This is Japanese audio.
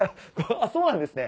そうなんですね。